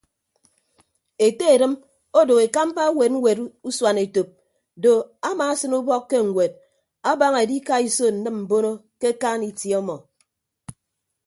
Ete edịm odooho ekamba ewet ñwet usuanetop do amaasịn ubọk ke ñwed abaña edikaiso nnịm mbono ke akaan itie ọmọ.